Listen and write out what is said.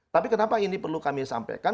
tapi kenapa ini perlu kami sampaikan